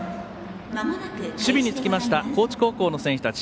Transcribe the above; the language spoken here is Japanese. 守備につきました高知高校の選手